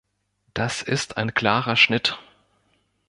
Das ist ein klarer Schnitt.